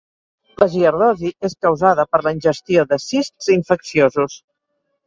La giardiosi és causada per la ingestió de cists infecciosos.